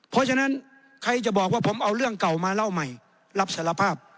เพราะฉะนั้นใครจะบอกว่าผมเอาเรื่องเก่ามาเล่าใหม่รับสารภาพ